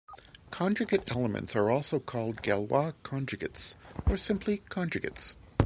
Conjugate elements are also called "Galois conjugates", or simply "conjugates".